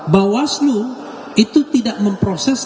bawaslu itu tidak memproses